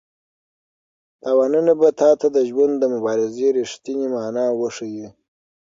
تاوانونه به تا ته د ژوند د مبارزې رښتینې مانا وښيي.